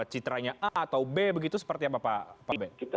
citranya a atau b begitu seperti apa pak ben